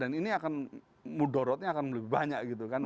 dan ini akan mudorotnya akan lebih banyak gitu kan